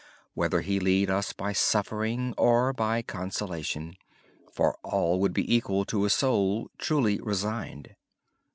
Whether God led us by suffering or by consolation all would be equal to a soul truly resigned.